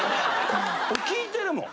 俺聞いてるもん！